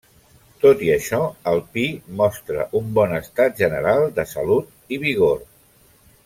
Tot i això, el pi mostra un bon estat general de salut i vigor.